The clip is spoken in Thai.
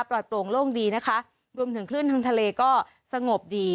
โปร่งโล่งดีนะคะรวมถึงคลื่นทางทะเลก็สงบดี